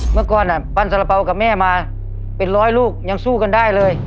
เมื่อก่อนปั้นสารเป๋ากับแม่มาเป็นร้อยลูกยังสู้กันได้เลย